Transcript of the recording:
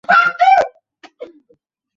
না তেমন কিছু না।